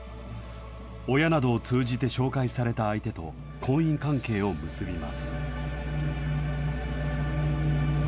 親などを通じて紹介された相手と婚姻関係を結びます。